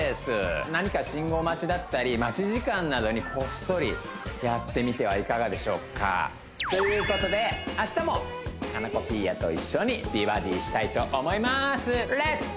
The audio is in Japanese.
何か信号待ちだったり待ち時間などにこっそりやってみてはいかがでしょうか？ということで明日も佳菜子ピーヤと一緒に美バディしたいと思いますレッツ！